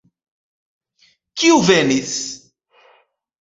Kiu venis?